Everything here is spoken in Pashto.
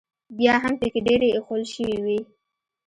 بیا هم پکې ډېرې ایښوول شوې وې.